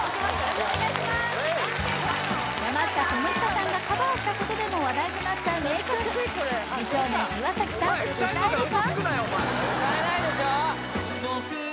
じゃあ山下智久さんがカバーしたことでも話題となった名曲美少年の岩さん歌えるか？